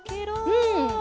うん。